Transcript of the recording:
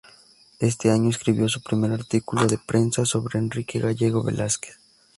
Ese año escribió su primer artículo de prensa, sobre Enrique Gallego Velázquez.